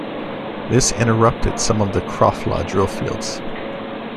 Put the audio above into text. This interrupted some of the Krafla drillfields.